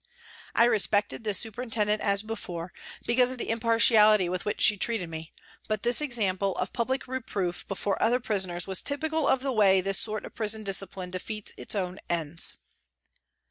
I respected this super intendent as before, because of the impartiality with which she treated me, but this example of public reproof before other prisoners was typical of the way this sort of prison discipline defeats its own ends.